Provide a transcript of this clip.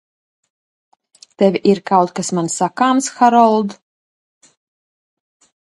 Tev ir kaut kas man sakāms, Harold?